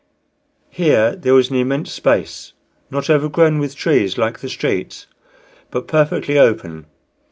Here there was an immense space, not overgrown with trees like the streets, but perfectly open.